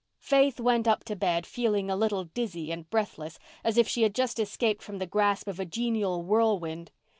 Faith went up to bed, feeling a little dizzy and breathless, as if she had just escaped from the grasp of a genial whirlwind.